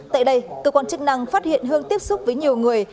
tại đây cơ quan chức năng phát hiện hương tiếp xúc với nhiều người